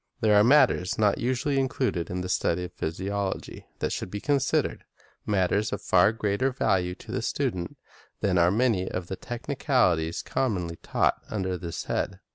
There are matters not usually included in the study of physiology that should be considered, — matters of far greater value to the student than are many of the technicalities commonly taught under this head.